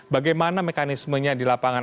bagaimana mekanismenya di lapangan